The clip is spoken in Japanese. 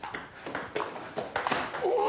うわ！